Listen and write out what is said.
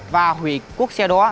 và hủy cuốc xe đó